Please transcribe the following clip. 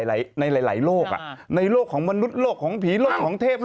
วิชานี้ฉันได้แต่ใดมาเป็นคนมีมิติวิชานี้ฉันได้แต่ใดมา